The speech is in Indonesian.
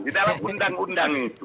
di dalam undang undang itu